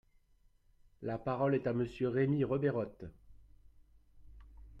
La parole est à Monsieur Rémy Rebeyrotte.